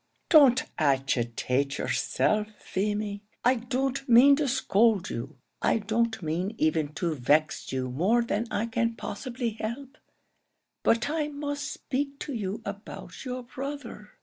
"Don't agitate yourself, Feemy. I don't mean to scold you; I don't mean even to vex you more than I can possibly help; but I must speak to you about your brother.